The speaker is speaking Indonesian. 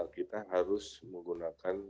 kita harus menggunakan